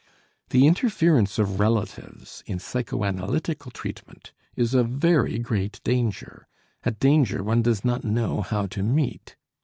The interference of relatives in psychoanalytical treatment is a very great danger, a danger one does not know how to meet.